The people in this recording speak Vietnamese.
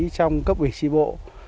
trong cấp vị trí bộ